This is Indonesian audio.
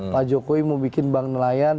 pak jokowi mau bikin bank nelayan